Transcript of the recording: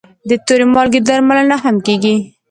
د تور مالګې درملنه هم کېږي.